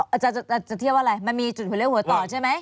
อาจารย์จะเทียบว่าอะไรมันมีจุดหัวเลี้หัวต่อใช่ไหม